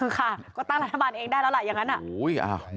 คือค่ะก็ตั้งรัฐบาลเองได้แล้วล่ะอย่างนั้น